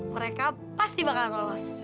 mereka pasti bakal lolos